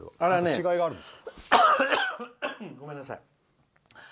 違いがあるんですか？